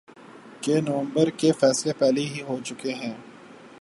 کہ نومبر کے فیصلے پہلے ہی ہو چکے ہیں۔